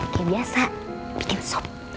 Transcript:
kayak biasa bikin sup